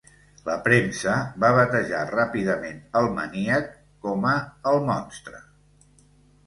La premsa va batejar ràpidament el maníac com a "El Monstre".